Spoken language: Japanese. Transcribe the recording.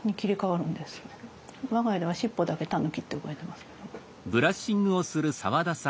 我が家では尻尾だけタヌキって呼ばれてます。